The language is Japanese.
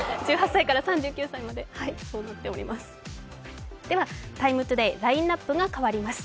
１８歳から３９歳までとなっております。